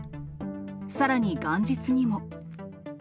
さらに元日にも。